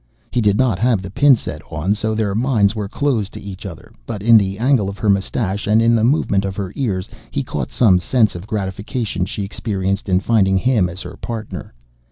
He did not have the pin set on, so their minds were closed to each other, but in the angle of her mustache and in the movement of her ears, he caught some sense of gratification she experienced in finding him as her Partner.